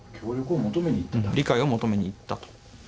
理解を求めにいったと。